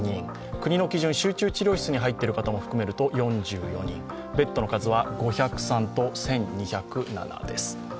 国の基準、集中治療室に入っている人も含めると４４人、ベッドの数は５０３と１２０７です。